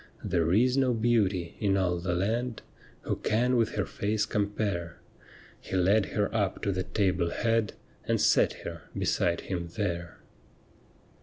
'There is no beauty in all the land Who can with her face compare.' He led her up to the table head And set her beside him there.